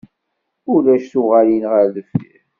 Ulac tuɣalin ɣer deffir.